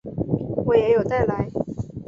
我也有带来